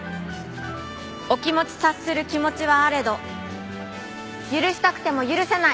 お気持ち察する気持ちはあれど許したくても許せない！